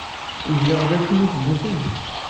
Yezdeɣ da sin n yiseggasen?